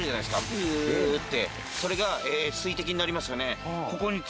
フウってそれが水滴になりますよね